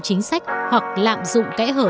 chính sách hoặc lạm dụng kẽ hở